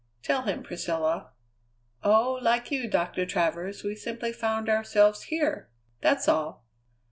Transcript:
"Tell him, Priscilla." "Oh, like you, Doctor Travers, we simply found ourselves here! That's all."